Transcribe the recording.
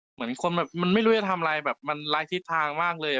เหมือนคนแบบมันไม่รู้จะทำอะไรแบบมันรายทิศทางมากเลย